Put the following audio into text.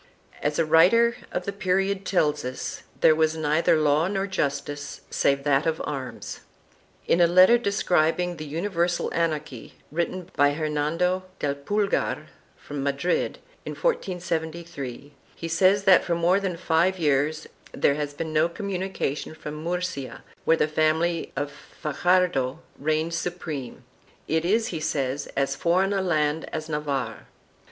As a writer of the period tells us, there was neither law nor justice save that of arms.1 In a letter describing the universal anarchy, written by Her nando del Pulgar from Madrid, in 1473, he says that for more than five years there has been no communication from Murcia, where the family of Fajardo reigned supreme — it is, he says, as foreign a land as Navarre.